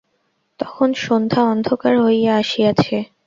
তখন সন্ধ্যা অন্ধকার হইয়া আসিয়াছে।